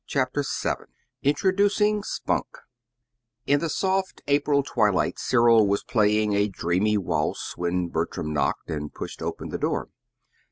CHAPTER VII INTRODUCING SPUNK In the soft April twilight Cyril was playing a dreamy waltz when Bertram knocked, and pushed open the door.